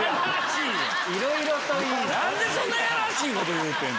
何でそんなやらしいこと言うてんの？